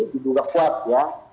diduga kuat ya